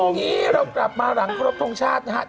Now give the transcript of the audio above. ครับตรงนี้เรากลับมาหลังพระรมทรงชาตินะครับ